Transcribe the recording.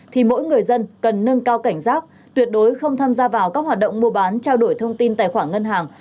thì mỗi người dân cần nâng cao cảnh giác tuyệt đối không tham gia vào các hoạt động mua bán trao đổi thông tin tài khoản ngân hàng